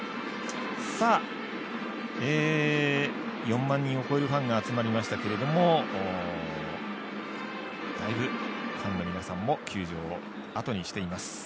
４万人を超えるファンが集まりましたけれどもだいぶファンの皆さんも球場をあとにしています。